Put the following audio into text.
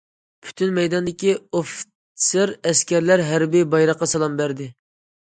پۈتۈن مەيداندىكى ئوفىتسېر- ئەسكەرلەر ھەربىي بايراققا سالام بەردى.